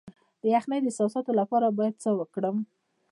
د یخنۍ د حساسیت لپاره باید څه وکړم؟